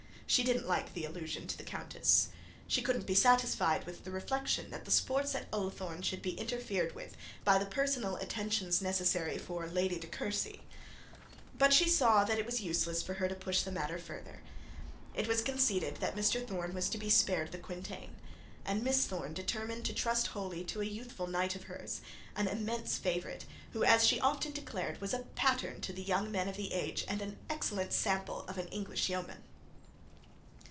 She didn't like the allusion to the countess. She couldn't be satisfied with the reflection that the sports of Ullathorne should be interfered with by the personal attentions necessary for a Lady de Courcy. But she saw that it was useless for her to push the matter further. It was conceded that Mr Thorne was to spared the quintain; and Miss Thorne determined to trust wholly to a youthful knight of hers, an immense favourite, who, as she often declared, was a pattern to the young men of the age, and an excellent example of an English yeoman.